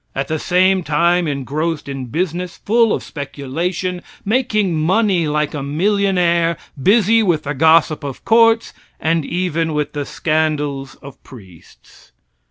At the same time engrossed in business, full of speculation, making money like a millionaire, busy with the gossip of courts, and even with the scandals of priests.